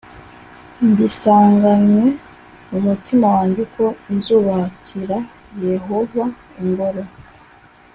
mbisanganywe mu mutima wanjye ko nzubakira Yehova ingoro